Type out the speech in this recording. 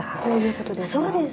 こういうことですか？